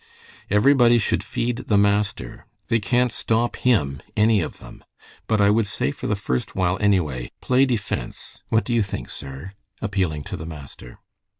"Everybody should feed the master. They can't stop him, any of them. But I would say for the first while, anyway, play defense. What do you think, sir?" appealing to the master.